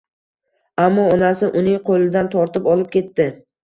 Ammo onasi uning qoʻlidan tortib olib ketdi